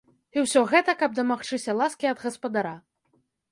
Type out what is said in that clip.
І ўсё гэта, каб дамагчыся ласкі ад гаспадара.